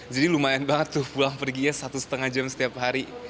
jadi lumayan banget tuh pulang perginya satu lima jam setiap hari